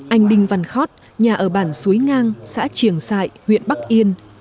anh đinh văn khót nhà ở bản suối ngang xã triềng sại huyện bắc yên